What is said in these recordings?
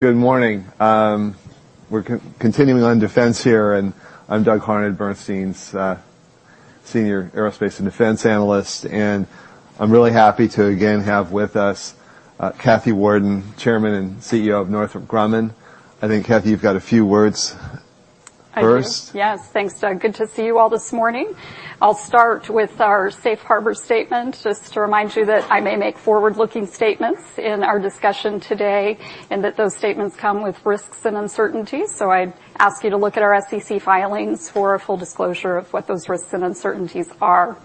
Good morning. We're continuing on defense here, and I'm Doug Harned, Bernstein's senior aerospace and defense analyst, and I'm really happy to again have with us, Kathy Warden, Chairman and CEO of Northrop Grumman. I think, Kathy, you've got a few words first. I do. Yes. Thanks, Doug. Good to see you all this morning. I'll start with our safe harbor statement, just to remind you that I may make forward-looking statements in our discussion today. Those statements come with risks and uncertainties. I'd ask you to look at our SEC filings for a full disclosure of what those risks and uncertainties are.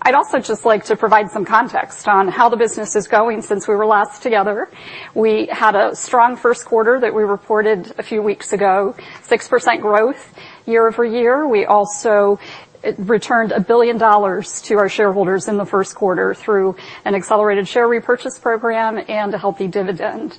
I'd also just like to provide some context on how the business is going since we were last together. We had a strong Q1 that we reported a few weeks ago, 6% growth year-over-year. We also returned $1 billion to our shareholders in the Q1 through an accelerated share repurchase program and a healthy dividend.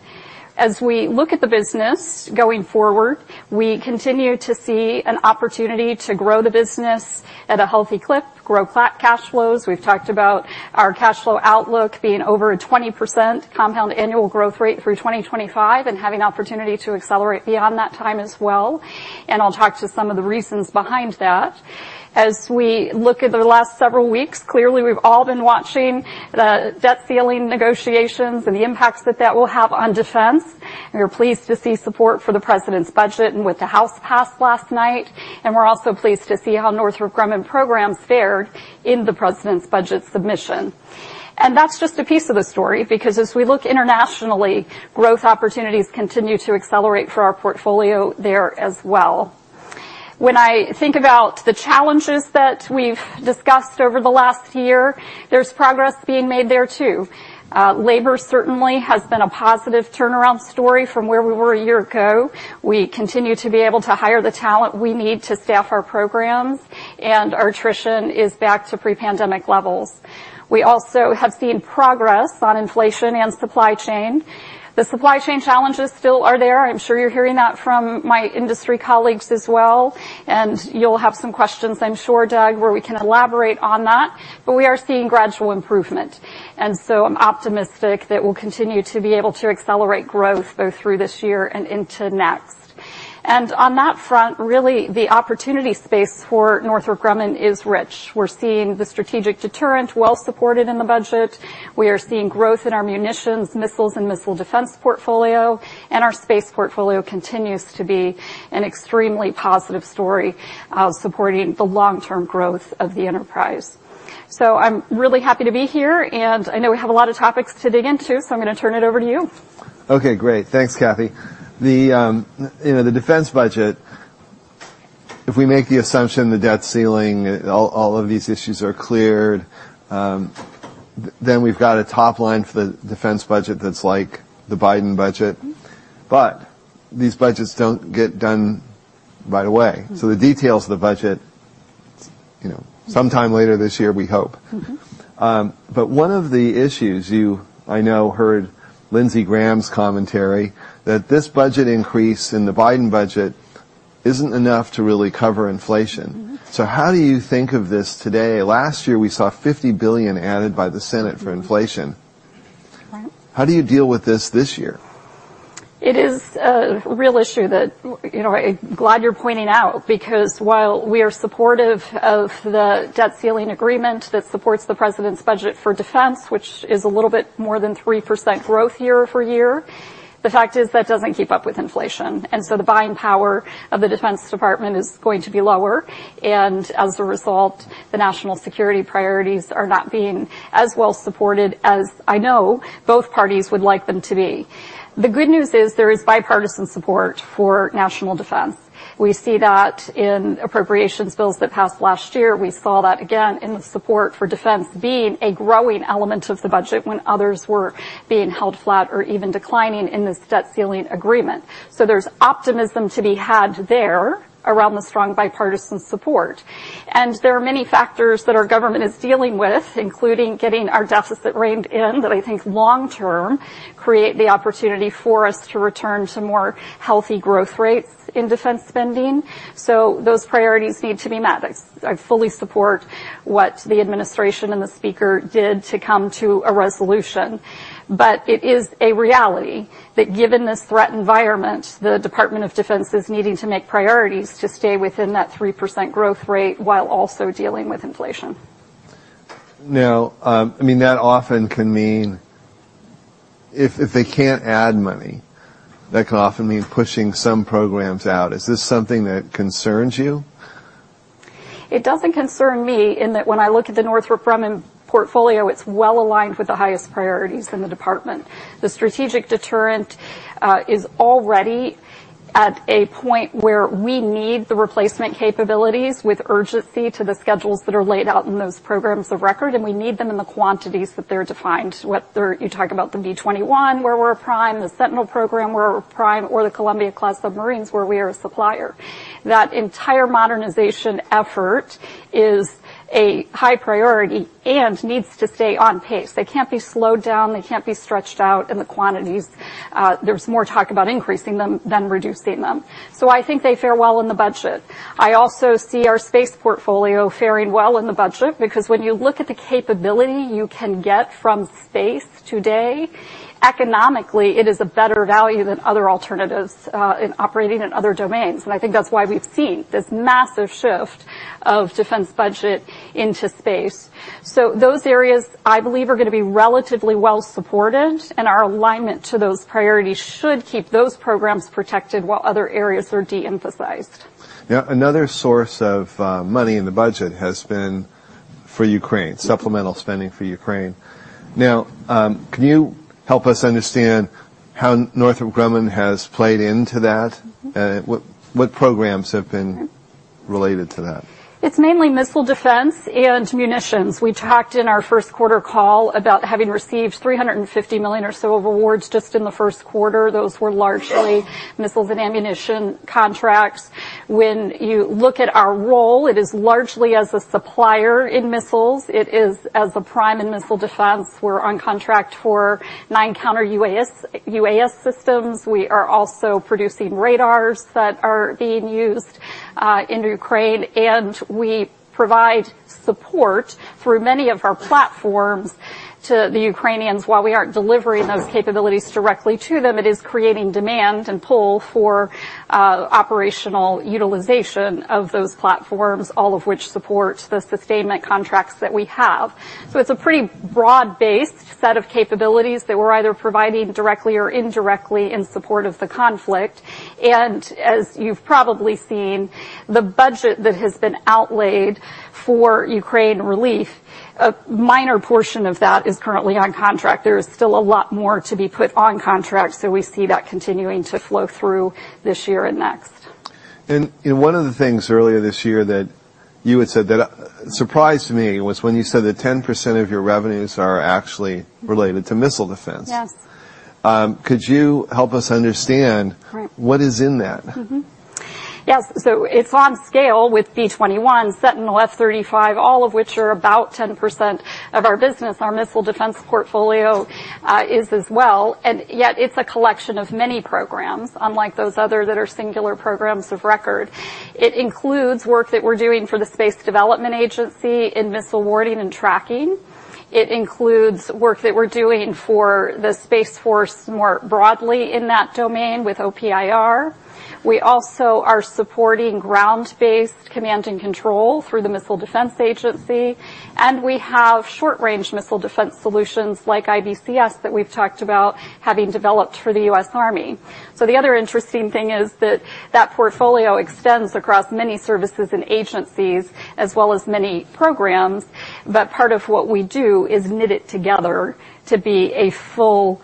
As we look at the business going forward, we continue to see an opportunity to grow the business at a healthy clip, grow cash flows. We've talked about our cash flow outlook being over a 20% compound annual growth rate through 2025, having opportunity to accelerate beyond that time as well. I'll talk to some of the reasons behind that. As we look at the last several weeks, clearly we've all been watching the debt ceiling negotiations and the impacts that that will have on defense. We're pleased to see support for the President's budget and what the House passed last night. We're also pleased to see how Northrop Grumman programs fared in the President's budget submission. That's just a piece of the story because as we look internationally, growth opportunities continue to accelerate for our portfolio there as well. When I think about the challenges that we've discussed over the last year, there's progress being made there, too. Labor certainly has been a positive turnaround story from where we were a year ago. We continue to be able to hire the talent we need to staff our programs, and our attrition is back to pre-pandemic levels. We also have seen progress on inflation and supply chain. The supply chain challenges still are there. I'm sure you're hearing that from my industry colleagues as well, and you'll have some questions, I'm sure, Doug, where we can elaborate on that. We are seeing gradual improvement, and so I'm optimistic that we'll continue to be able to accelerate growth both through this year and into next. On that front, really, the opportunity space for Northrop Grumman is rich. We're seeing the strategic deterrent well supported in the budget. We are seeing growth in our munitions, missiles, and missile defense portfolio, and our space portfolio continues to be an extremely positive story, supporting the long-term growth of the enterprise. I'm really happy to be here, and I know we have a lot of topics to dig into. I'm gonna turn it over to you. Okay, great. Thanks, Kathy. The, you know, the defense budget, if we make the assumption, the debt ceiling, all of these issues are cleared, then we've got a top line for the defense budget that's like the Biden budget. These budgets don't get done right away. The details of the budget, you know, sometime later this year, we hope. One of the issues I know, heard Lindsey Graham's commentary, that this budget increase in the Biden budget isn't enough to really cover inflation. How do you think of this today? Last year, we saw $50 billion added by the Senate for inflation. How do you deal with this this year? It is a real issue that, you know, I'm glad you're pointing out because while we are supportive of the debt ceiling agreement that supports the President's budget for defense, which is a little bit more than 3% growth year-over-year, the fact is that doesn't keep up with inflation, and so the buying power of the Defense Department is going to be lower. As a result, the national security priorities are not being as well supported as I know both parties would like them to be. The good news is there is bipartisan support for national defense. We see that in appropriations bills that passed last year. We saw that again in the support for defense being a growing element of the budget when others were being held flat or even declining in this debt ceiling agreement. There's optimism to be had there around the strong bipartisan support, and there are many factors that our government is dealing with, including getting our deficit reined in, that I think long term, create the opportunity for us to return to more healthy growth rates in defense spending. Those priorities need to be met. I fully support what the administration and the Speaker did to come to a resolution, but it is a reality that given this threat environment, the Department of Defense is needing to make priorities to stay within that 3% growth rate while also dealing with inflation. I mean, that often can mean if they can't add money, that can often mean pushing some programs out. Is this something that concerns you? It doesn't concern me in that when I look at the Northrop Grumman portfolio, it's well aligned with the highest priorities in the department. The strategic deterrent is already at a point where we need the replacement capabilities with urgency to the schedules that are laid out in those programs of record, and we need them in the quantities that they're defined, whether you talk about the B-21, where we're a prime, the Sentinel program, where we're a prime, or the Columbia-class submarines, where we are a supplier. That entire modernization effort is a high priority and needs to stay on pace. They can't be slowed down, they can't be stretched out in the quantities. There's more talk about increasing them than reducing them. I think they fare well in the budget. I also see our space portfolio faring well in the budget because when you look at the capability you can get from space today, economically, it is a better value than other alternatives, in operating in other domains. I think that's why we've seen this massive shift of defense budget into space. Those areas, I believe, are gonna be relatively well supported, and our alignment to those priorities should keep those programs protected while other areas are de-emphasized. Another source of money in the budget has been for Ukraine, supplemental spending for Ukraine. Can you help us understand how Northrop Grumman has played into that? What programs have been related to that? It's mainly missile defense and munitions. We talked in our Q1 call about having received $350 million or so of awards just in the Q1. Those were largely missiles and ammunition contracts. You look at our role, it is largely as a supplier in missiles. It is as a prime in missile defense. We're on contract for nine Counter-UAS systems. We are also producing radars that are being used in Ukraine. We provide support through many of our platforms to the Ukrainians. While we aren't delivering those capabilities directly to them, it is creating demand and pull for operational utilization of those platforms, all of which support the sustainment contracts that we have. It's a pretty broad-based set of capabilities that we're either providing directly or indirectly in support of the conflict. As you've probably seen, the budget that has been outlaid for Ukraine relief, a minor portion of that is currently on contract. There is still a lot more to be put on contract. We see that continuing to flow through this year and next. One of the things earlier this year that you had said that surprised me, was when you said that 10% of your revenues are actually related to missile defense. Yes. Could you help us understand what is in that? Yes. It's on scale with B-21, Sentinel, and F-35, all of which are about 10% of our business. Our missile defense portfolio is as well, and yet it's a collection of many programs, unlike those other that are singular programs of record. It includes work that we're doing for the Space Development Agency in missile warning and tracking. It includes work that we're doing for the Space Force more broadly in that domain with OPIR. We also are supporting ground-based command and control through the Missile Defense Agency, and we have short-range missile defense solutions like IBCS that we've talked about having developed for the U.S. Army. The other interesting thing is that that portfolio extends across many services and agencies, as well as many programs, but part of what we do is knit it together to be a full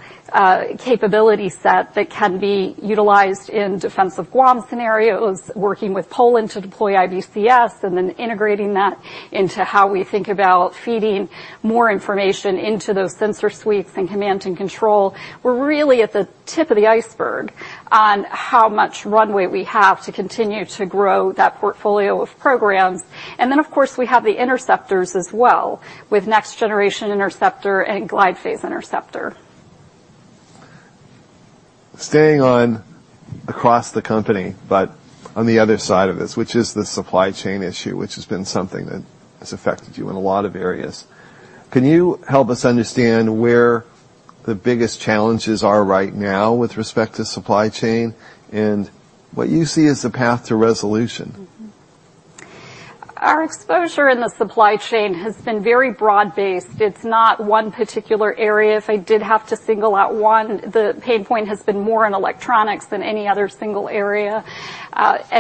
capability set that can be utilized in defense of Guam scenarios, working with Poland to deploy IBCS and then integrating that into how we think about feeding more information into those sensor suites and command and control. We're really at the tip of the iceberg on how much runway we have to continue to grow that portfolio of programs. Then, of course, we have the interceptors as well, with Next Generation Interceptor and Glide Phase Interceptor. Staying on across the company, but on the other side of this, which is the supply chain issue, which has been something that has affected you in a lot of areas. Can you help us understand where the biggest challenges are right now with respect to supply chain and what you see as the path to resolution? Our exposure in the supply chain has been very broad-based. It's not one particular area. If I did have to single out one, the pain point has been more in electronics than any other single area.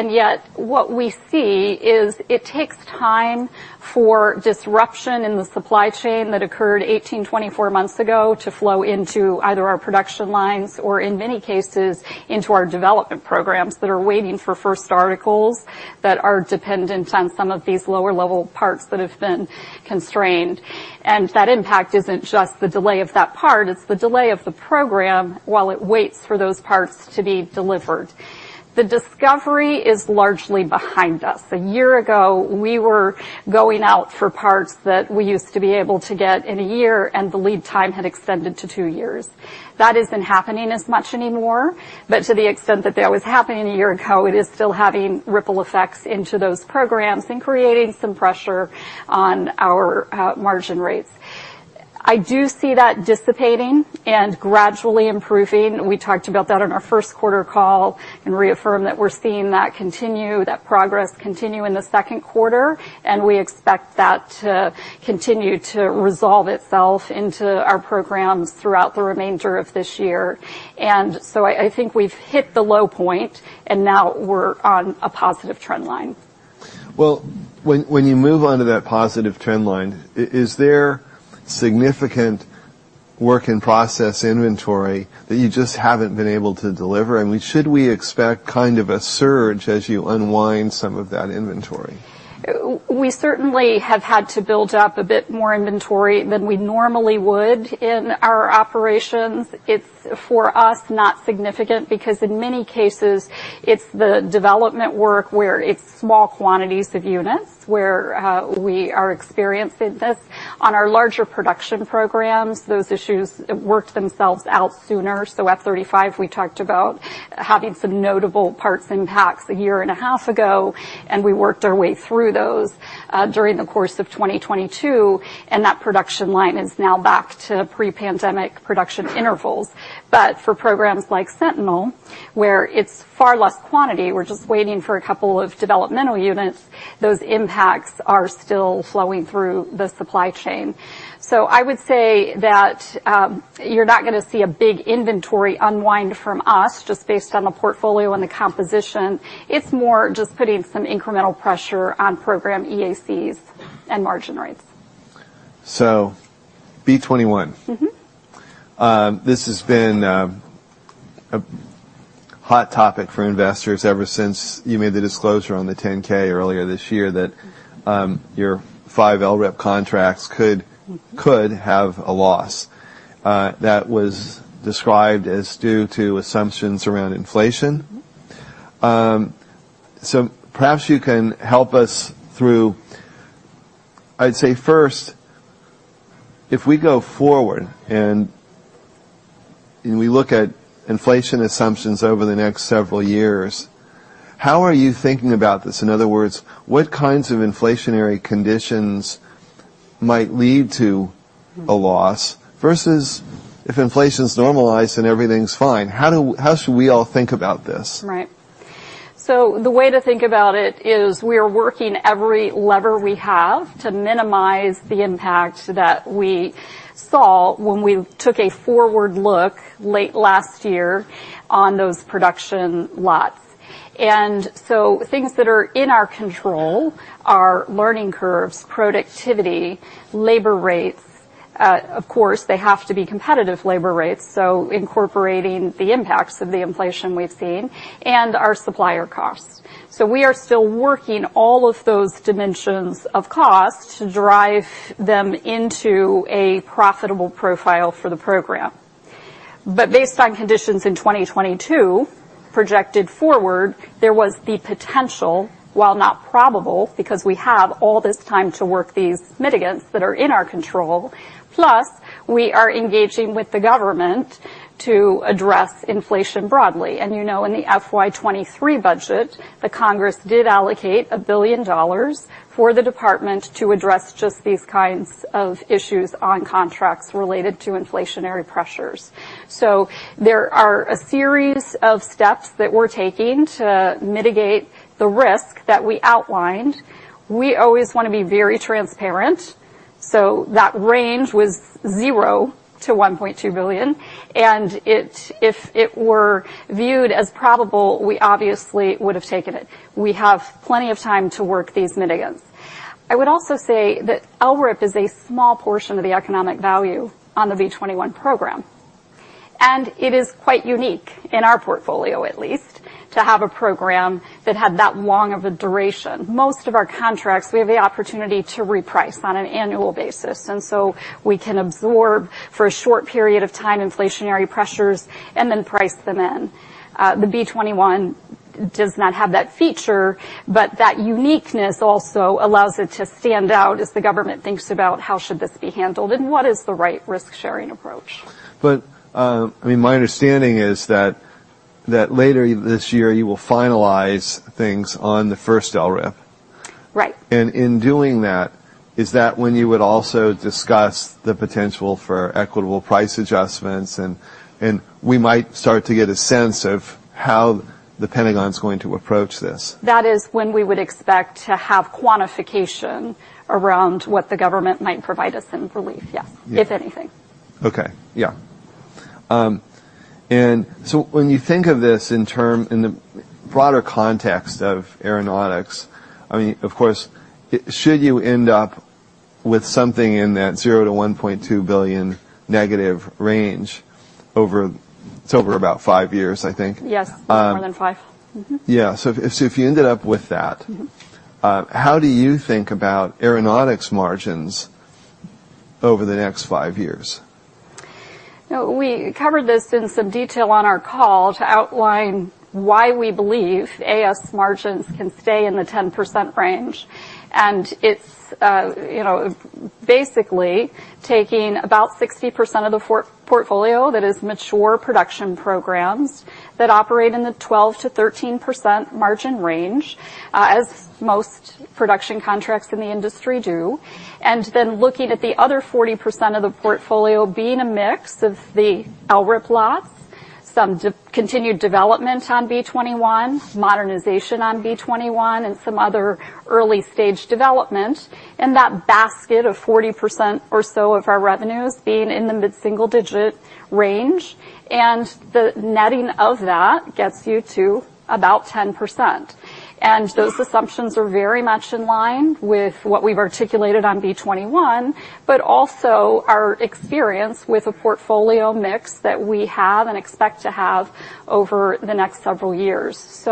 Yet, what we see is it takes time for disruption in the supply chain that occurred 18, 24 months ago to flow into either our production lines or, in many cases, into our development programs that are waiting for first articles that are dependent on some of these lower-level parts that have been constrained. That impact isn't just the delay of that part, it's the delay of the program while it waits for those parts to be delivered. The discovery is largely behind us. A year ago, we were going out for parts that we used to be able to get in a year, and the lead time had extended to two years. That isn't happening as much anymore, but to the extent that that was happening a year ago, it is still having ripple effects into those programs and creating some pressure on our margin rates. I do see that dissipating and gradually improving. We talked about that on our Q1 call and reaffirm that we're seeing that continue, that progress continue in the Q2, and we expect that to continue to resolve itself into our programs throughout the remainder of this year. I think we've hit the low point, and now we're on a positive trend line. Well, when you move on to that positive trend line, is there significant work in process inventory that you just haven't been able to deliver, and should we expect kind of a surge as you unwind some of that inventory? We certainly have had to build up a bit more inventory than we normally would in our operations. It's, for us, not significant because in many cases it's the development work where it's small quantities of units where we are experiencing this. On our larger production programs, those issues worked themselves out sooner. F-35, we talked about having some notable parts impacts a year and a half ago, and we worked our way through those during the course of 2022, and that production line is now back to pre-pandemic production intervals. For programs like Sentinel, where it's far less quantity, we're just waiting for a couple of developmental units, those impacts are still flowing through the supply chain. I would say that you're not gonna see a big inventory unwind from us, just based on the portfolio and the composition. It's more just putting some incremental pressure on program EACs and margin rates. B-21. This has been a hot topic for investors ever since you made the disclosure on the 10-K earlier this year, that your five LRIP contracts. Could have a loss, that was described as due to assumptions around inflation. Perhaps you can help us through. I'd say, first, if we go forward and we look at inflation assumptions over the next several years, how are you thinking about this? In other words, what kinds of inflationary conditions might lead to a loss, versus if inflation's normalized and everything's fine? How should we all think about this? Right. The way to think about it is, we are working every lever we have to minimize the impact that we saw when we took a forward look late last year on those production lots. Things that are in our control are learning curves, productivity, labor rates. Of course, they have to be competitive labor rates, so incorporating the impacts of the inflation we've seen, and our supplier costs. We are still working all of those dimensions of cost to drive them into a profitable profile for the program. Based on conditions in 2022, projected forward, there was the potential, while not probable, because we have all this time to work these mitigants that are in our control, plus, we are engaging with the government to address inflation broadly. You know, in the FY 2023 budget, the Congress did allocate $1 billion for the department to address just these kinds of issues on contracts related to inflationary pressures. There are a series of steps that we're taking to mitigate the risk that we outlined. We always want to be very transparent, so that range was $0 to $1.2 billion. If it were viewed as probable, we obviously would have taken it. We have plenty of time to work these mitigants. I would also say that LRIP is a small portion of the economic value on the B-21 program, and it is quite unique, in our portfolio at least, to have a program that had that long of a duration. Most of our contracts, we have the opportunity to reprice on an annual basis, and so we can absorb, for a short period of time, inflationary pressures and then price them in. The B-21 does not have that feature, but that uniqueness also allows it to stand out as the government thinks about how should this be handled, and what is the right risk-sharing approach? My understanding is that later this year, you will finalize things on the first LRIP. Right. In doing that, is that when you would also discuss the potential for equitable price adjustments, and we might start to get a sense of how the Pentagon's going to approach this? That is when we would expect to have quantification around what the government might provide us in relief, yes. Yeah. If anything. Okay. Yeah. When you think of this in the broader context of aeronautics, I mean, of course, should you end up with something in that $0 to $1.2 billion negative range. It's over about five years, I think. Yes. More than five. Yeah. if you ended up with that how do you think about aeronautics margins over the next five years? You know, we covered this in some detail on our call to outline why we believe ES margins can stay in the 10% range. It's, you know, basically taking about 60% of the portfolio that is mature production programs that operate in the 12% to 13% margin range, as most production contracts in the industry do, and then looking at the other 40% of the portfolio being a mix of the LRIP loss, some continued development on B-21, modernization on B-21, and some other early stage development. That basket of 40% or so of our revenues being in the mid-single digit range, and the netting of that gets you to about 10%. Those assumptions are very much in line with what we've articulated on B-21, but also our experience with a portfolio mix that we have and expect to have over the next several years.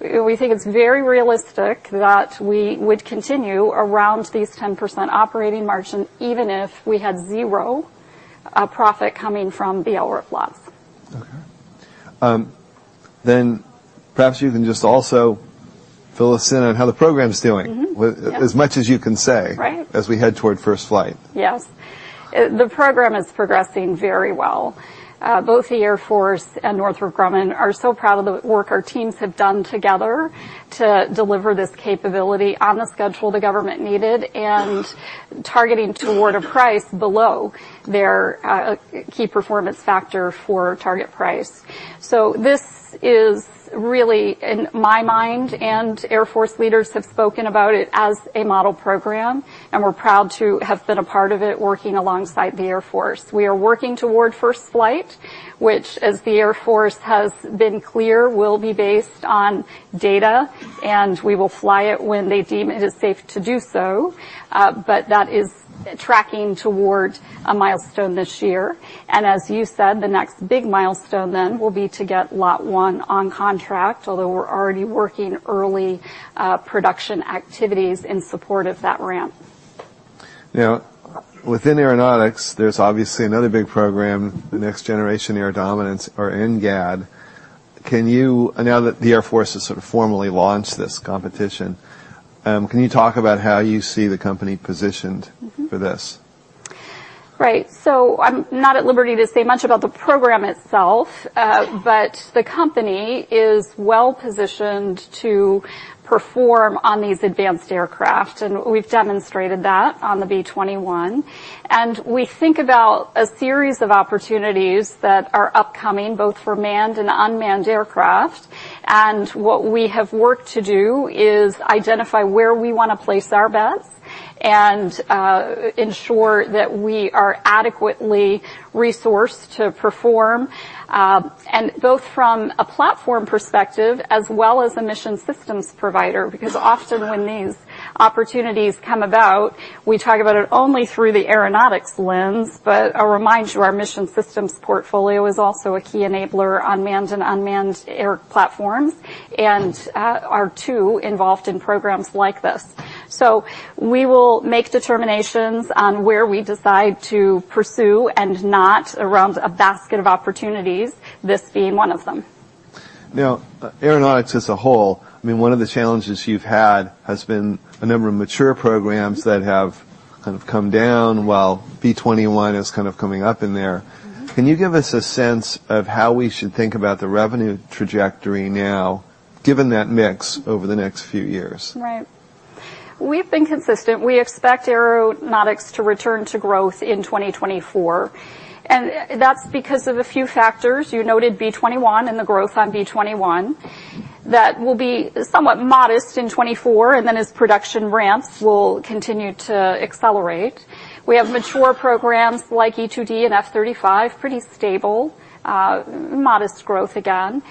We think it's very realistic that we would continue around these 10% operating margin, even if we had zero profit coming from the LRIP loss. Perhaps you can just also fill us in on how the program's doing. Yeah. As much as you can say- Right as we head toward first flight. Yes. The program is progressing very well. Both the Air Force and Northrop Grumman are so proud of the work our teams have done together to deliver this capability on the schedule the government needed, and targeting toward a price below their key performance factor for target price. This is really, in my mind, and Air Force leaders have spoken about it as a model program, and we're proud to have been a part of it, working alongside the Air Force. We are working toward first flight, which, as the Air Force has been clear, will be based on data, and we will fly it when they deem it is safe to do so. That is tracking toward a milestone this year. As you said, the next big milestone then will be to get Lot one on contract, although we're already working early production activities in support of that ramp. Now, within aeronautics, there's obviously another big program, the Next Generation Air Dominance, or NGAD. Now that the Air Force has sort of formally launched this competition, can you talk about how you see the company positioned for this? Right. I'm not at liberty to say much about the program itself, but the company is well-positioned to perform on these advanced aircraft, and we've demonstrated that on the B-21. We think about a series of opportunities that are upcoming, both for manned and unmanned aircraft. What we have worked to do is identify where we want to place our bets and ensure that we are adequately resourced to perform, and both from a platform perspective as well as a mission systems provider. Because often, when these opportunities come about, we talk about it only through the aeronautics lens. I'll remind you, our mission systems portfolio is also a key enabler on manned and unmanned air platforms and are too involved in programs like this. We will make determinations on where we decide to pursue and not around a basket of opportunities, this being one of them. Aeronautics as a whole, I mean, one of the challenges you've had has been a number of mature programs that have kind of come down, while B-21 is kind of coming up in there. Can you give us a sense of how we should think about the revenue trajectory now, given that mix over the next few years? Right. We've been consistent. We expect aeronautics to return to growth in 2024. That's because of a few factors. You noted B-21 and the growth on B-21. That will be somewhat modest in 2024, as production ramps will continue to accelerate. We have mature programs like E-2D and F-35, pretty stable, modest growth again.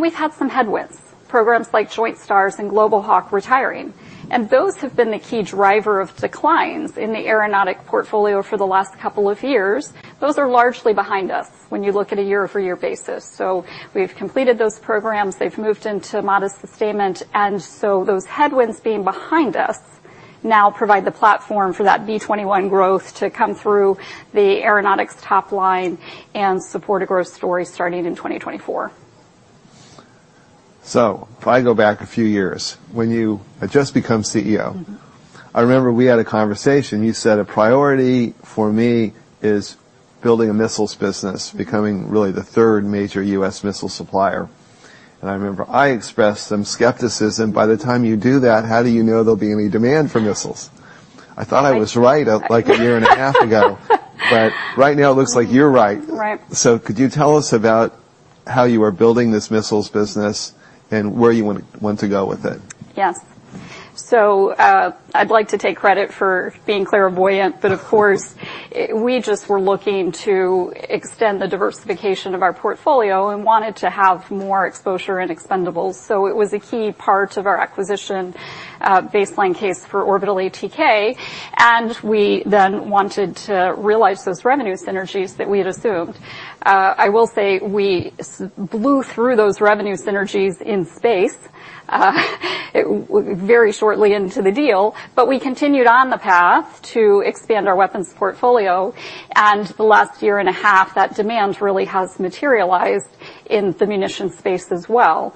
We've had some headwinds, programs like Joint STARS and Global Hawk retiring, and those have been the key driver of declines in the aeronautic portfolio for the last couple of years. Those are largely behind us when you look at a year-over-year basis. We've completed those programs. They've moved into modest sustainment. Those headwinds being behind us now provide the platform for that B-21 growth to come through the aeronautics top line and support a growth story starting in 2024. If I go back a few years, when you had just become CEO. I remember we had a conversation. You said, "A priority for me is building a missiles business, becoming really the third major U.S. missile supplier." I remember I expressed some skepticism, "By the time you do that, how do you know there'll be any demand for missiles? I thought I was right, like, a year and a half ago, but right now, it looks like you're right. Right. Could you tell us about how you are building this missiles business and where you want to go with it? Yes. I'd like to take credit for being clairvoyant, but, of course, we just were looking to extend the diversification of our portfolio and wanted to have more exposure and expendables. It was a key part of our acquisition baseline case for Orbital ATK. We then wanted to realize those revenue synergies that we had assumed. I will say, we blew through those revenue synergies in space very shortly into the deal. We continued on the path to expand our weapons portfolio. The last year and a half, that demand really has materialized in the munition space as well.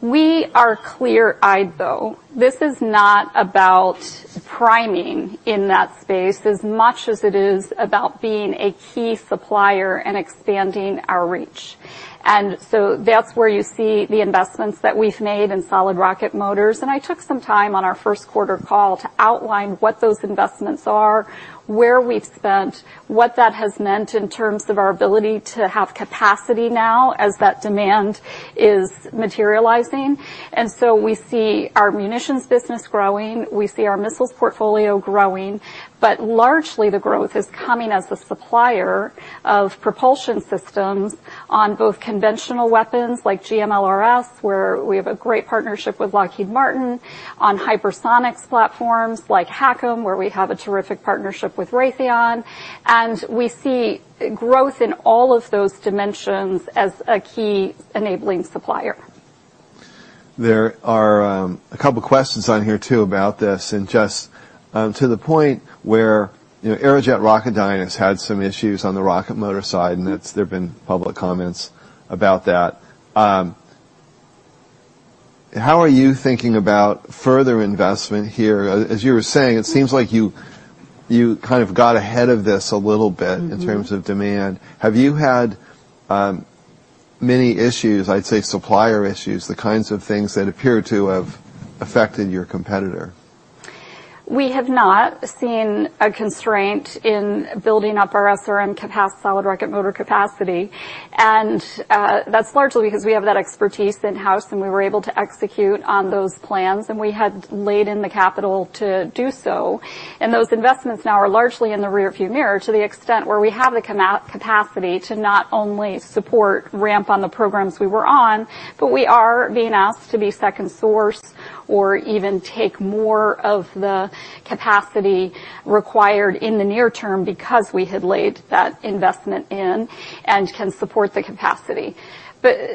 We are clear-eyed, though. This is not about priming in that space, as much as it is about being a key supplier and expanding our reach. That's where you see the investments that we've made in solid rocket motors. I took some time on our Q1 call to outline what those investments are, where we've spent, what that has meant in terms of our ability to have capacity now, as that demand is materializing. We see our munitions business growing, we see our missiles portfolio growing, but largely, the growth is coming as the supplier of propulsion systems on both conventional weapons, like GMLRS, where we have a great partnership with Lockheed Martin on hypersonics platforms, like HACM, where we have a terrific partnership with Raytheon. We see growth in all of those dimensions as a key enabling supplier. There are, a couple questions on here, too, about this. Just, to the point where, you know, Aerojet Rocketdyne has had some issues on the rocket motor side, and there have been public comments about that. How are you thinking about further investment here? As you were saying, it seems like you kind of got ahead of this a little bit. In terms of demand. Have you had many issues, I'd say, supplier issues, the kinds of things that appear to have affected your competitor? We have not seen a constraint in building up our SRM capacity, solid rocket motor capacity, and that's largely because we have that expertise in-house, and we were able to execute on those plans, and we had laid in the capital to do so. Those investments now are largely in the rearview mirror to the extent where we have the capacity to not only support ramp on the programs we were on, but we are being asked to be second source or even take more of the capacity required in the near term because we had laid that investment in and can support the capacity.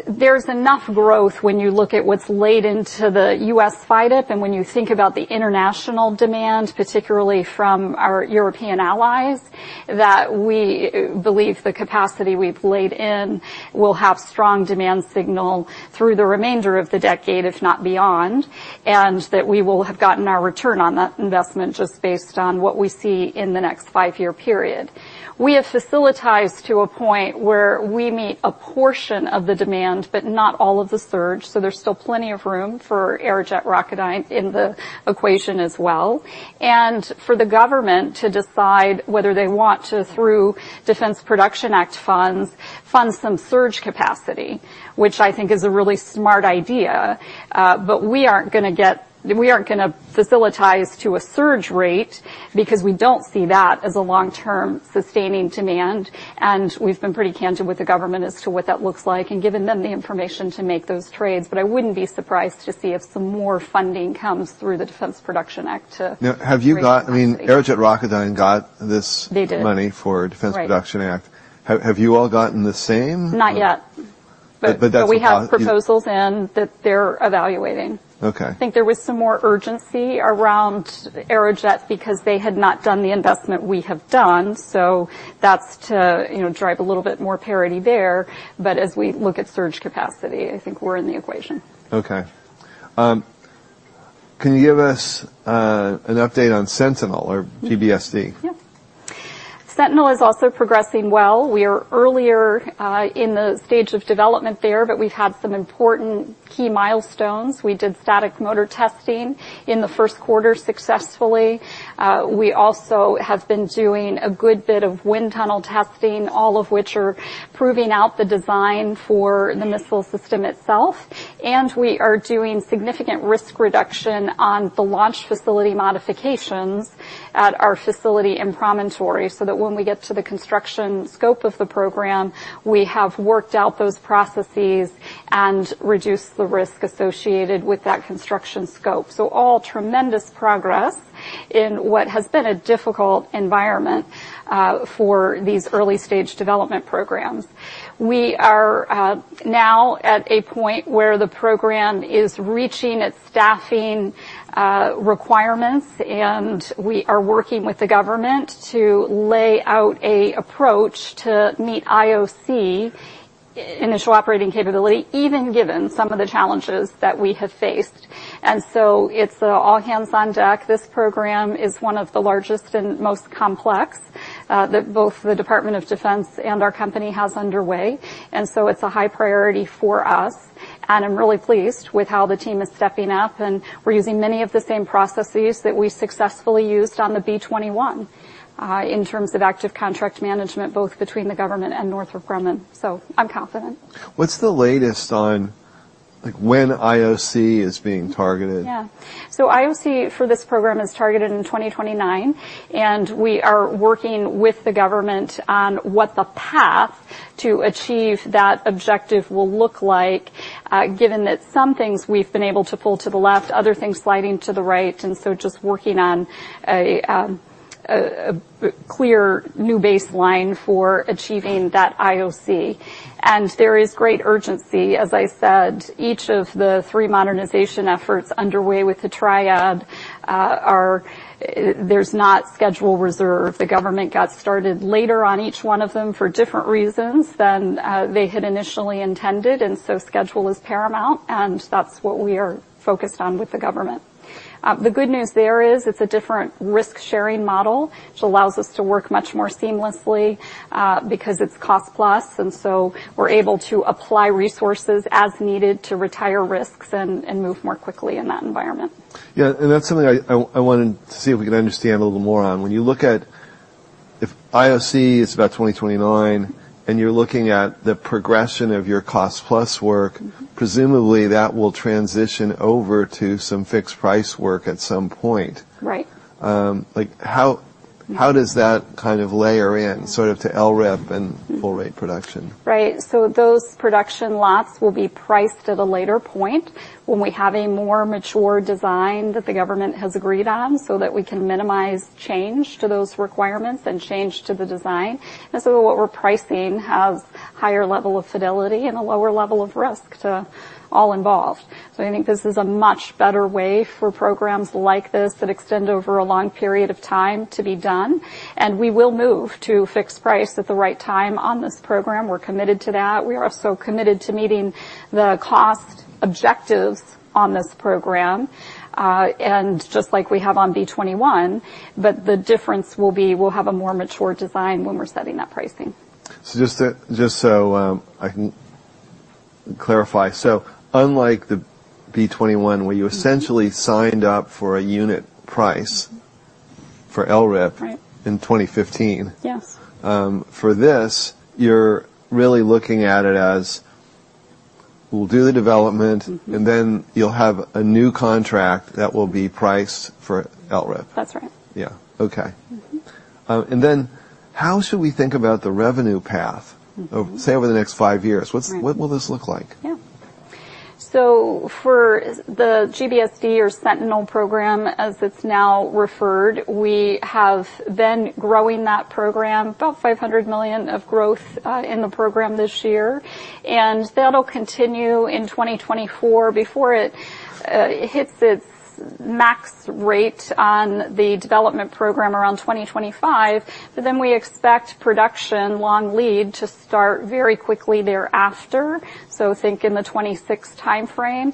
There's enough growth when you look at what's laid into the U.S. FYDP, and when you think about the international demand, particularly from our European allies, that we believe the capacity we've laid in will have strong demand signal through the remainder of the decade, if not beyond, and that we will have gotten our return on that investment just based on what we see in the next five-year period. We have facilitized to a point where we meet a portion of the demand, but not all of the surge. There's still plenty of room for Aerojet Rocketdyne in the equation as well, and for the government to decide whether they want to, through Defense Production Act funds, fund some surge capacity, which I think is a really smart idea. We aren't gonna facilitize to a surge rate because we don't see that as a long-term sustaining demand. We've been pretty candid with the government as to what that looks like and given them the information to make those trades. I wouldn't be surprised to see if some more funding comes through the Defense Production Act. Now, have you? I mean, Aerojet Rocketdyne got.. They did. ...this money for- Right -Defense Production Act. Have you all gotten the same? Not yet. But that's how- We have proposals in that they're evaluating. Okay. I think there was some more urgency around Aerojet because they had not done the investment we have done, so that's to, you know, drive a little bit more parity there. As we look at surge capacity, I think we're in the equation. Okay. Can you give us an update on Sentinel or GBSD? Yep. Sentinel is also progressing well. We are earlier in the stage of development there, but we've had some important key milestones. We did static motor testing in the Q1 successfully. We also have been doing a good bit of wind tunnel testing, all of which are proving out the design for the missile system itself. We are doing significant risk reduction on the launch facility modifications at our facility in Promontory, so that when we get to the construction scope of the program, we have worked out those processes and reduced the risk associated with that construction scope. All tremendous progress in what has been a difficult environment for these early stage development programs. We are now at a point where the program is reaching its staffing requirements, and we are working with the government to lay out a approach to meet IOC, initial operating capability, even given some of the challenges that we have faced. It's a all-hands-on-deck. This program is one of the largest and most complex that both the Department of Defense and our company has underway. It's a high priority for us. I'm really pleased with how the team is stepping up, and we're using many of the same processes that we successfully used on the B-21 in terms of active contract management, both between the government and Northrop Grumman, so I'm confident. What's the latest on, like, when IOC is being targeted? Yeah. IOC for this program is targeted in 2029, and we are working with the government on what the path to achieve that objective will look like, given that some things we've been able to pull to the left, other things sliding to the right, just working on a clear new baseline for achieving that IOC. There is great urgency. As I said, each of the three modernization efforts underway with the Triad are. There's not schedule reserve. The government got started later on each one of them for different reasons than they had initially intended. Schedule is paramount, and that's what we are focused on with the government. The good news there is, it's a different risk-sharing model, which allows us to work much more seamlessly, because it's cost plus, and so we're able to apply resources as needed to retire risks and move more quickly in that environment. Yeah, and that's something I wanted to see if we could understand a little more on. When you look at if IOC is about 2029, and you're looking at the progression of your cost plus. presumably that will transition over to some fixed-price work at some point. Right. like how does that kind of layer in sort of to LRIP and- full rate production? Right. Those production lots will be priced at a later point when we have a more mature design that the government has agreed on, so that we can minimize change to those requirements and change to the design. What we're pricing has higher level of fidelity and a lower level of risk to all involved. I think this is a much better way for programs like this that extend over a long period of time to be done, and we will move to fixed price at the right time on this program. We're committed to that. We are also committed to meeting the cost objectives on this program, and just like we have on B-21, but the difference will be we'll have a more mature design when we're setting that pricing. just so, I can clarify. Unlike the B-21, where you essentially signed up for a unit price for LRIP. Right. in 2015. Yes. For this, you're really looking at it as, we'll do the development, You'll have a new contract that will be priced for LRIP. That's right. Yeah. Okay. How should we think about the revenue path? Say, over the next five years? Right. What will this look like? For the GBSD, or Sentinel program, as it's now referred, we have been growing that program. About $500 million of growth in the program this year, that'll continue in 2024, before it hits its max rate on the development program around 2025. We expect production long lead to start very quickly thereafter, so think in the 2026 timeframe,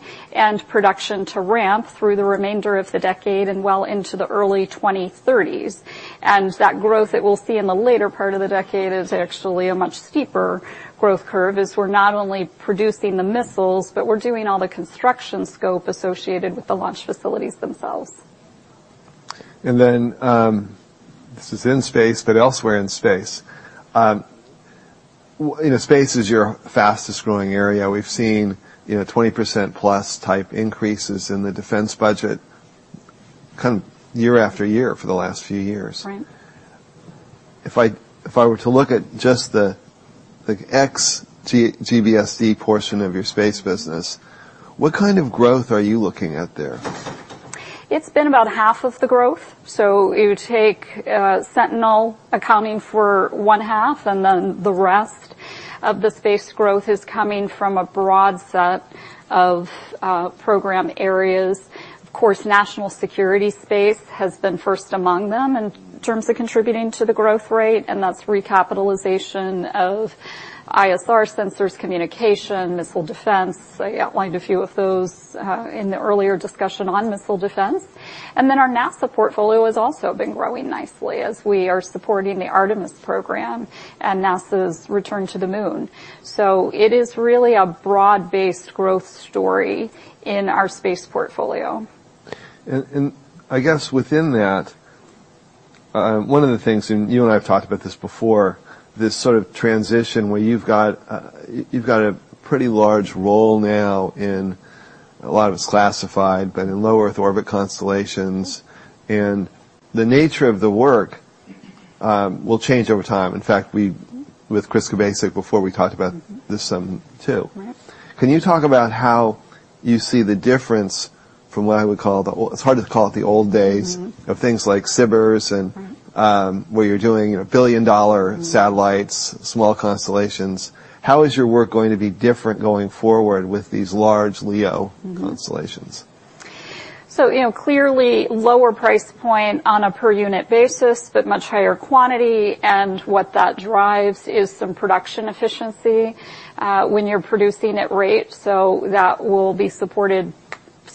production to ramp through the remainder of the decade and well into the early 2030s. That growth that we'll see in the later part of the decade is actually a much steeper growth curve, as we're not only producing the missiles, but we're doing all the construction scope associated with the launch facilities themselves. This is in space, but elsewhere in space. You know, space is your fastest growing area. We've seen, you know, 20%+ type increases in the defense budget, kind of year after year for the last few years. Right. If I were to look at just the GBSD portion of your space business, what kind of growth are you looking at there? It's been about half of the growth. You take Sentinel accounting for 1/2, and then the rest of the space growth is coming from a broad set of program areas. Of course, national security space has been first among them in terms of contributing to the growth rate, and that's recapitalization of ISR sensors, communication, missile defense. I outlined a few of those in the earlier discussion on missile defense. Our NASA portfolio has also been growing nicely as we are supporting the Artemis program and NASA's return to the moon. It is really a broad-based growth story in our space portfolio. I guess within that, one of the things, and you and I have talked about this before, this sort of transition where you've got, you've got a pretty large role now in a lot of it's classified, but in Low Earth Orbit constellations. The nature of the work, will change over time. In fact, we, with Chris Kubasik before, we talked about this some too. Right. Can you talk about how you see the difference from what I would call the old days of things like SBIRS and where you're doing, you know, billion-dollar satellites, small constellations. How is your work going to be different going forward with these large LEO constellations? You know, clearly lower price point on a per unit basis, but much higher quantity, and what that drives is some production efficiency when you're producing at rate. That will be supported,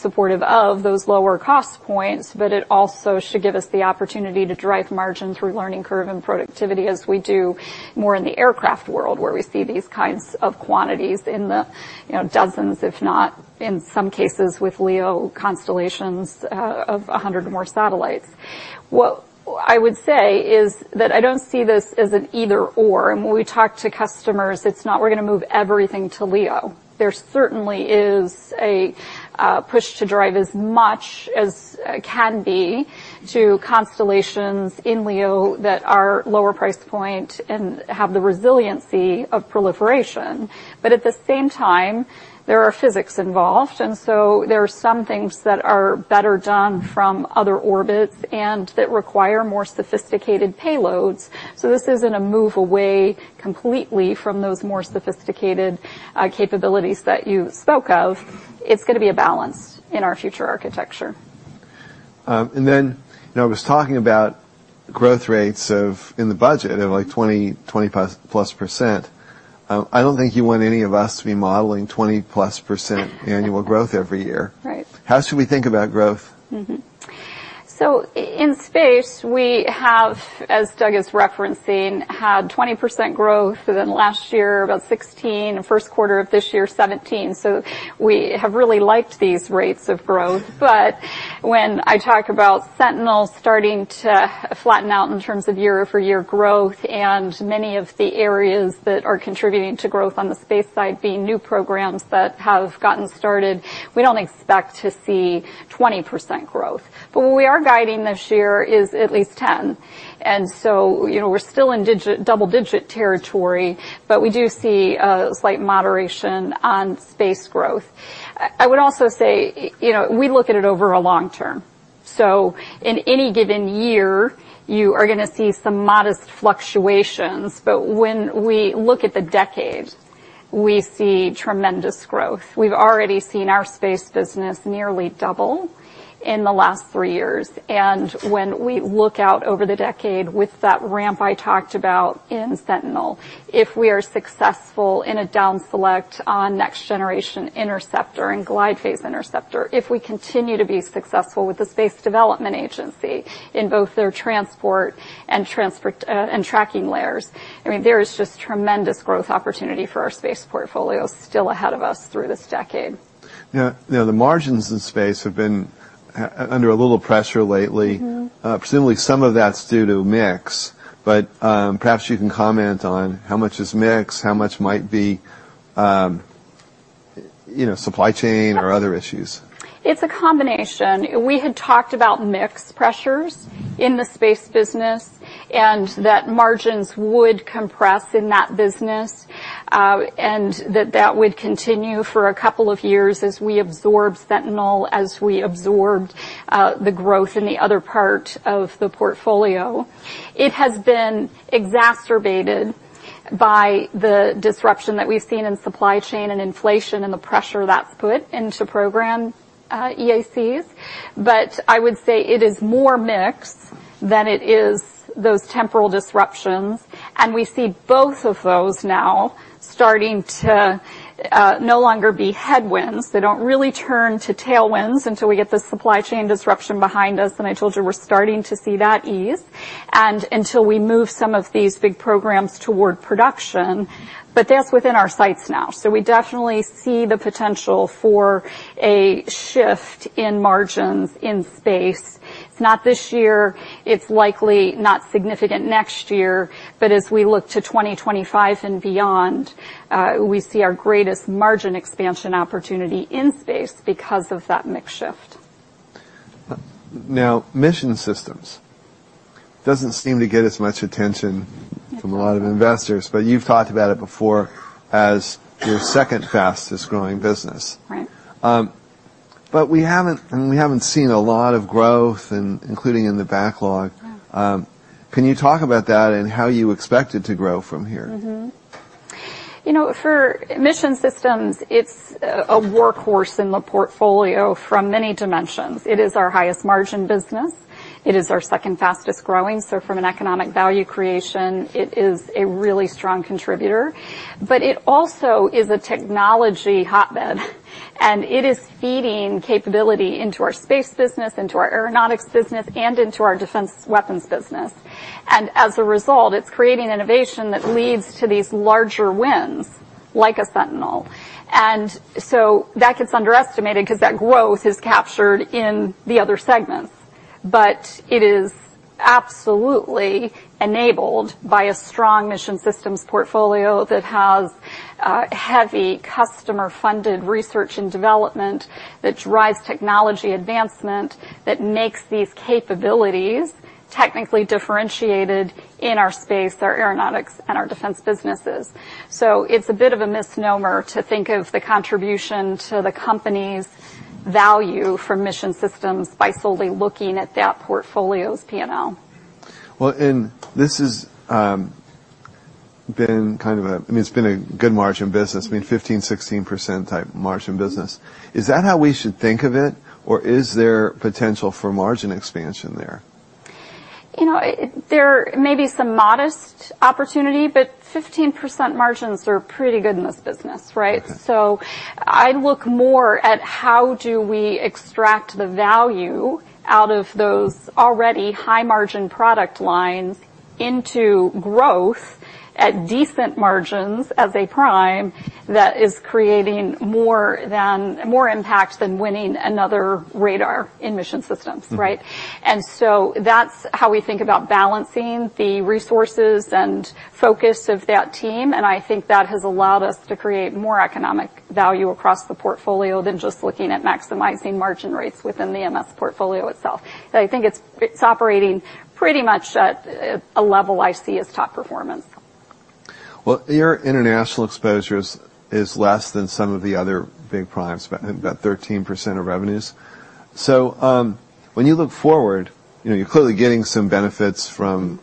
supportive of those lower cost points, but it also should give us the opportunity to drive margin through learning curve and productivity, as we do more in the aircraft world, where we see these kinds of quantities in the, you know, dozens, if not in some cases with LEO constellations of 100 or more satellites. What I would say is that I don't see this as an either/or, and when we talk to customers, it's not we're gonna move everything to LEO. There certainly is a push to drive as much as can be to constellations in LEO that are lower price point and have the resiliency of proliferation. At the same time, there are physics involved, there are some things that are better done from other orbits and that require more sophisticated payloads. This isn't a move away completely from those more sophisticated capabilities that you spoke of. It's gonna be a balance in our future architecture. You know, I was talking about growth rates in the budget of 20%+. I don't think you want any of us to be modeling 20%+ annual growth every year. Right. How should we think about growth? In space, we have, as Doug is referencing, had 20% growth, and then last year, about 16, Q1 of this year, 17. We have really liked these rates of growth. When I talk about Sentinel starting to flatten out in terms of year-over-year growth and many of the areas that are contributing to growth on the space side being new programs that have gotten started, we don't expect to see 20% growth. What we are guiding this year is at least 10, and so, you know, we're still in double digit territory, but we do see a slight moderation on space growth. I would also say, you know, we look at it over a long term. In any given year, you are gonna see some modest fluctuations, but when we look at the decade, we see tremendous growth. We've already seen our space business nearly double in the last three years, and when we look out over the decade with that ramp I talked about in Sentinel, if we are successful in a down select on Next Generation Interceptor and Glide Phase Interceptor, if we continue to be successful with the Space Development Agency in both their transport and transfer, and tracking layers, I mean, there is just tremendous growth opportunity for our space portfolio still ahead of us through this decade. Now, the margins in space have been under a little pressure lately presumably some of that's due to mix, but, perhaps you can comment on how much is mix, how much might be, you know, supply chain or other issues? It's a combination. We had talked about mix pressures in the space business, and that margins would compress in that business, and that that would continue for a couple of years as we absorb Sentinel, as we absorbed the growth in the other part of the portfolio. It has been exacerbated by the disruption that we've seen in supply chain and inflation, and the pressure that's put into program EACs. I would say it is more mix than it is those temporal disruptions. We see both of those now starting to no longer be headwinds. They don't really turn to tailwinds until we get the supply chain disruption behind us, and I told you, we're starting to see that ease, and until we move some of these big programs toward production. That's within our sights now. We definitely see the potential for a shift in margins in space. It's not this year. It's likely not significant next year, but as we look to 2025 and beyond, we see our greatest margin expansion opportunity in space because of that mix shift. Now, Mission Systems doesn't seem to get as much attention from a lot of investors, but you've talked about it before as your second fastest growing business. Right. We haven't seen a lot of growth including in the backlog. Yeah. Can you talk about that and how you expect it to grow from here? You know, for Mission Systems, it's a workhorse in the portfolio from many dimensions. It is our highest margin business. It is our second fastest growing. From an economic value creation, it is a really strong contributor. It also is a technology hotbed, and it is feeding capability into our space business, into our aeronautics business, and into our defense weapons business. As a result, it's creating innovation that leads to these larger wins, like a Sentinel. That gets underestimated 'cause that growth is captured in the other segments. It is absolutely enabled by a strong Mission Systems portfolio that has heavy customer-funded research and development, that drives technology advancement, that makes these capabilities technically differentiated in our space, our aeronautics, and our defense businesses. It's a bit of a misnomer to think of the contribution to the company's value for Mission Systems by solely looking at that portfolio's P&L. I mean, it's been a good margin business. I mean, 15% to 16% type margin business. Is that how we should think of it, or is there potential for margin expansion there? You know, there may be some modest opportunity, 15% margins are pretty good in this business, right? Okay. I'd look more at how do we extract the value out of those already high-margin product lines into growth at decent margins as a prime, that is creating more impact than winning another radar in Mission Systems, right? That's how we think about balancing the resources and focus of that team, and I think that has allowed us to create more economic value across the portfolio than just looking at maximizing margin rates within the MS portfolio itself. I think it's operating pretty much at a level I see as top performance. Well, your international exposure is less than some of the other big primes, about 13% of revenues. When you look forward, you know, you're clearly getting some benefits from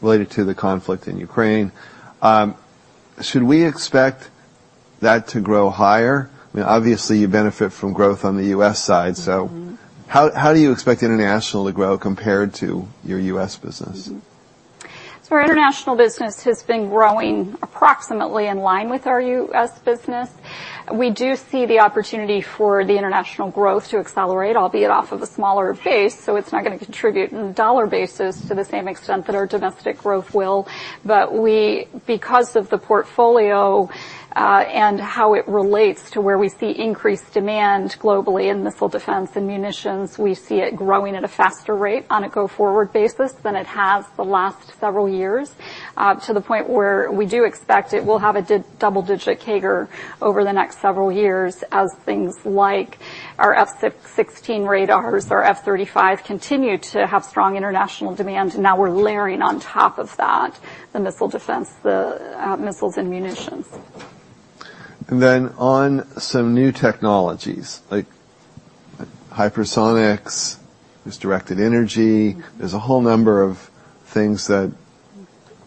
related to the conflict in Ukraine. Should we expect that to grow higher? I mean, obviously, you benefit from growth on the U.S. side. How do you expect international to grow compared to your U.S. business? Our international business has been growing approximately in line with our U.S. business. We do see the opportunity for the international growth to accelerate, albeit off of a smaller base. It's not gonna contribute in dollar basis to the same extent that our domestic growth will. We, because of the portfolio, and how it relates to where we see increased demand globally in missile defense and munitions, we see it growing at a faster rate on a go-forward basis than it has the last several years. To the point where we do expect it will have a double-digit CAGR over the next several years, as things like our F-16 radars, our F-35, continue to have strong international demand, and now we're layering on top of that, the missile defense, the missiles and munitions. On some new technologies, like hypersonics, there's directed energy. There's a whole number of things that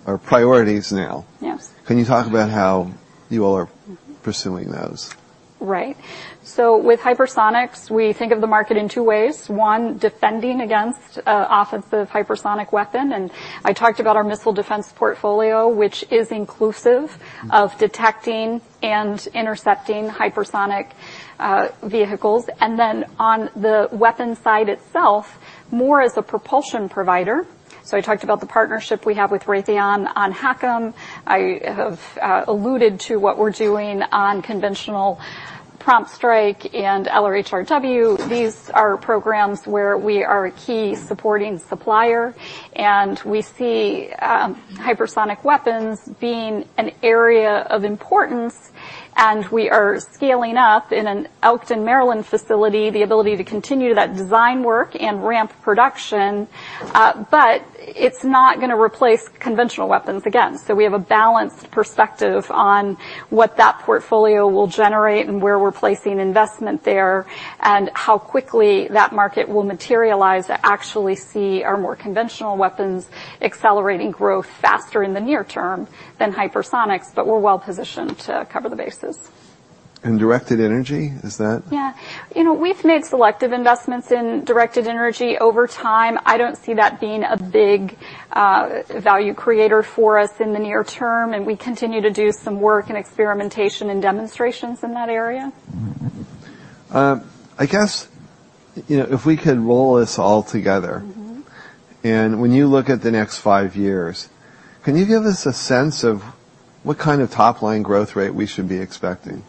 are priorities now. Yes. Can you talk about how you all are pursuing those? Right. With hypersonics, we think of the market in two ways. One, defending against an offensive hypersonic weapon. I talked about our missile defense portfolio, which is inclusive of detecting and intercepting hypersonic vehicles. On the weapon side itself, more as a propulsion provider. I talked about the partnership we have with Raytheon on HACM. I have alluded to what we're doing on Conventional Prompt Strike and LRHW, these are programs where we are a key supporting supplier, and we see hypersonic weapons being an area of importance. We are scaling up in an Elkton, Maryland, facility, the ability to continue that design work and ramp production. It's not gonna replace conventional weapons again. We have a balanced perspective on what that portfolio will generate and where we're placing investment there, and how quickly that market will materialize to actually see our more conventional weapons accelerating growth faster in the near term than hypersonics, but we're well positioned to cover the bases. Directed energy, is that? Yeah. You know, we've made selective investments in directed energy over time. I don't see that being a big value creator for us in the near term. We continue to do some work and experimentation and demonstrations in that area. I guess, you know, if we could roll this all together. When you look at the next five years, can you give us a sense of what kind of top-line growth rate we should be expecting?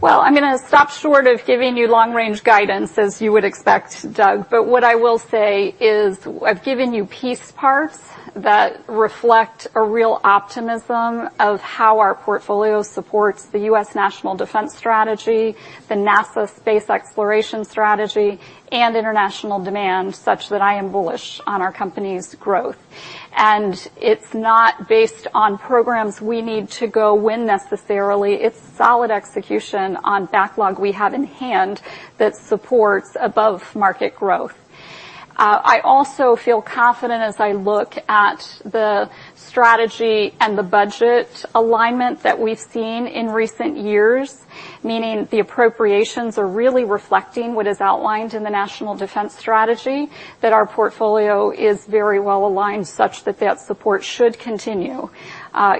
Well, I'm gonna stop short of giving you long-range guidance, as you would expect, Doug, but what I will say is, I've given you piece parts that reflect a real optimism of how our portfolio supports the U.S. National Defense Strategy, the NASA Space Exploration Strategy, and international demand, such that I am bullish on our company's growth. It's not based on programs we need to go win necessarily. It's solid execution on backlog we have in hand that supports above-market growth. I also feel confident as I look at the strategy and the budget alignment that we've seen in recent years, meaning the appropriations are really reflecting what is outlined in the National Defense Strategy, that our portfolio is very well aligned, such that that support should continue,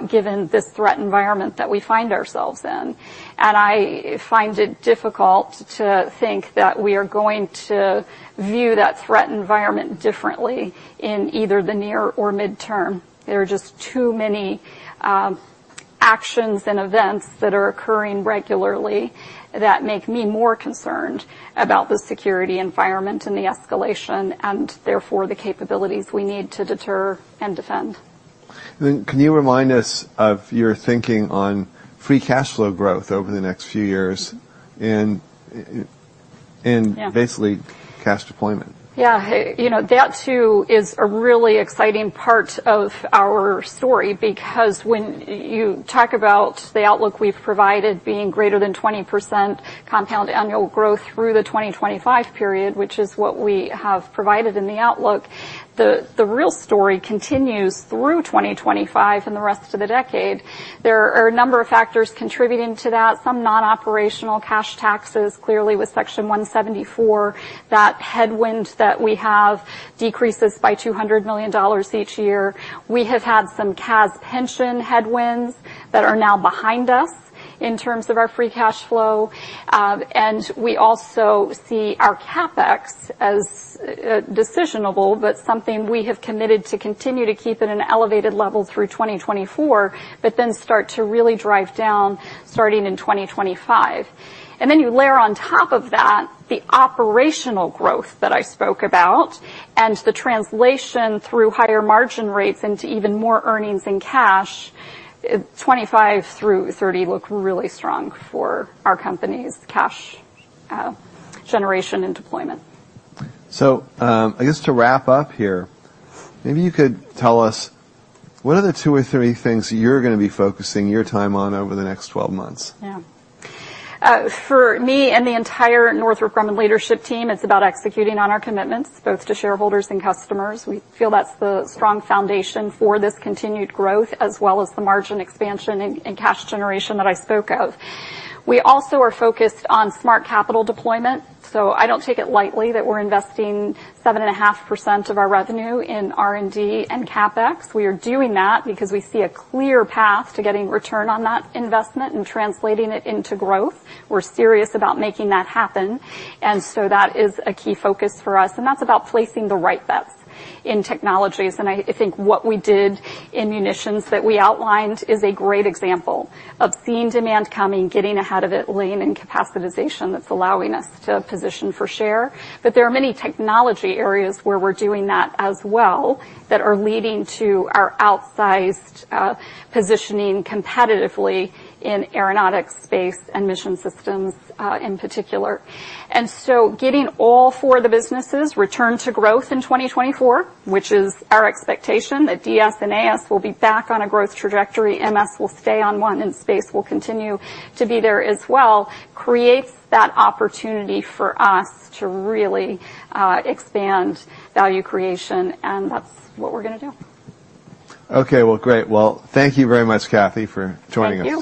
given this threat environment that we find ourselves in. I find it difficult to think that we are going to view that threat environment differently in either the near or midterm. There are just too many actions and events that are occurring regularly that make me more concerned about the security environment and the escalation and therefore the capabilities we need to deter and defend. Can you remind us of your thinking on free cash flow growth over the next few years? Basically, cash deployment? Yeah. Hey, you know, that too, is a really exciting part of our story because when you talk about the outlook we've provided, being greater than 20% compound annual growth through the 2025 period, which is what we have provided in the outlook, the real story continues through 2025 and the rest of the decade. There are a number of factors contributing to that. Some non-operational cash taxes, clearly with Section 174, that headwind that we have decreases by $200 million each year. We have had some CAS pension headwinds that are now behind us in terms of our free cash flow. We also see our CapEx as decisionable, but something we have committed to continue to keep at an elevated level through 2024, but then start to really drive down, starting in 2025. You layer on top of that the operational growth that I spoke about and the translation through higher margin rates into even more earnings and cash, 2025 through 2030 look really strong for our company's cash, generation, and deployment. I guess to wrap up here, maybe you could tell us, what are the two or three things you're gonna be focusing your time on over the next 12 months? For me and the entire Northrop Grumman leadership team, it's about executing on our commitments, both to shareholders and customers. We feel that's the strong foundation for this continued growth, as well as the margin expansion and cash generation that I spoke of. We also are focused on smart capital deployment. I don't take it lightly that we're investing 7.5% of our revenue in R&D and CapEx. We are doing that because we see a clear path to getting return on that investment and translating it into growth. We're serious about making that happen. That is a key focus for us, and that's about placing the right bets in technologies. I think what we did in munitions that we outlined is a great example of seeing demand coming, getting ahead of it, lean in capacitization. That's allowing us to position for share. There are many technology areas where we're doing that as well, that are leading to our outsized positioning competitively in aeronautics, space, and mission systems in particular. Getting all four of the businesses return to growth in 2024, which is our expectation, that DS and AS will be back on a growth trajectory, MS will stay on one, and space will continue to be there as well, creates that opportunity for us to really expand value creation, and that's what we're gonna do. Okay. Well, great. Well, thank you very much, Kathy, for joining us.